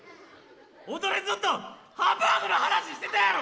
おのれずっとハンバーグの話してたやろ！